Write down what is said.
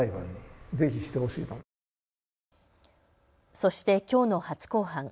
そして、きょうの初公判。